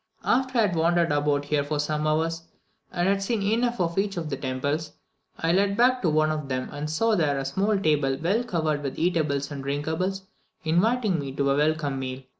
After I had wandered about here for some hours, and had seen enough of each of the temples, I was led back to one of them, and saw there a small table well covered with eatables and drinkables, inviting me to a welcome meal.